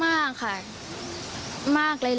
เพื่อนของไอซ์นะครับเกี่ยวด้วย